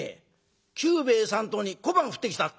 久兵衛さんとこに小判降ってきたって？